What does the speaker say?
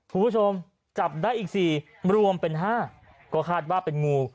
คุณผู้ชมจับได้อีก๔รวมเป็น๕ก็คาดว่าเป็นงู